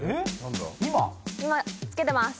今着けてます。